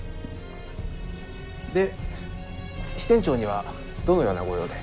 で支店長にはどのような御用で？